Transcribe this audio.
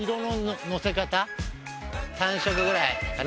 ３色ぐらいかな